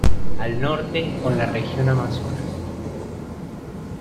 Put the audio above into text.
Al Norte con la Región Amazonas.